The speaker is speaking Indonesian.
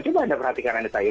coba anda perhatikan anda tadi